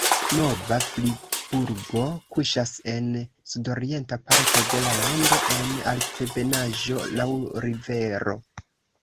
Nova Friburgo kuŝas en sudorienta parto de la lando en altebenaĵo laŭ rivero.